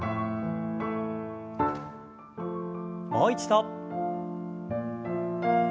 もう一度。